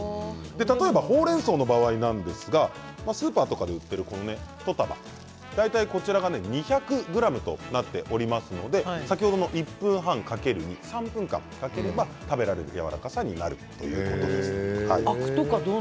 例えば、ほうれんそうの場合なんですがスーパーとかで売っている１束大体こちらが２００ｇとなっておりますので先ほどの１分半×２３分間かければ、食べられるやわらかさになるということです。